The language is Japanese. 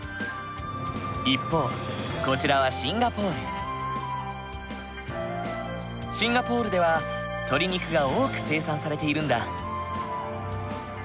一方こちらはシンガポールでは鶏肉が多く生産されているんだ。